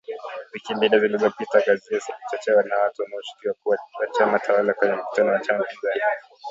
Wiki mbili zilizopita, ghasia zilizochochewa na watu wanaoshukiwa kuwa wa chama tawala kwenye mkutano wa chama pinzani